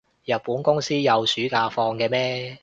日本公司有暑假放嘅咩？